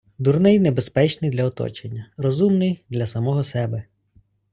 Дурний небезпечний для оточення. Розумний — для самого себе.